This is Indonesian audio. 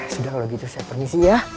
sudah kalau gitu saya permisi ya